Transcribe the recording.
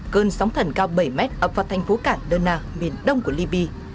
cơn sóng thần cao bảy mét ập vào thành phố cảng đơn nà miền đông của libby